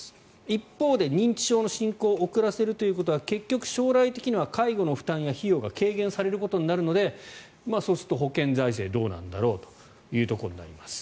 一方で認知症の進行を遅らせるということは結局、将来的には介護の負担や費用が軽減されることになるのでそうすると保険財政はどうなんだろうというところになります。